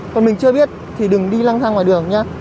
còn mình chưa biết thì đừng đi lăng ra ngoài đường nhé